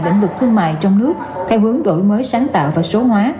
lĩnh vực thương mại trong nước theo hướng đổi mới sáng tạo và số hóa